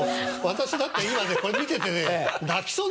私だって今ねこれ見ててね。